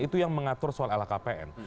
itu yang mengatur soal lhkpn